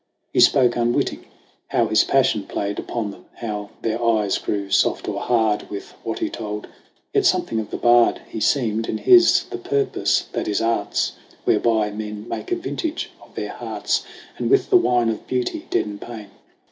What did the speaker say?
He spoke unwitting how his passion played Upon them, how their eyes grew soft or hard With what he told ; yet something of the bard He seemed, and his the purpose that is art's, Whereby men make a vintage of their hearts And with the wine of beauty deaden pain.